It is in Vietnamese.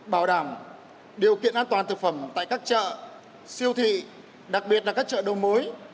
bảo đảm điều kiện an toàn thực phẩm tại các chợ siêu thị đặc biệt là các chợ đầu mối